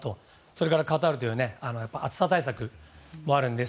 それからカタールという暑さ対策もあるので。